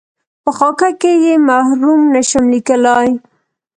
په خاکه کې یې مرحوم نشم لېکلای.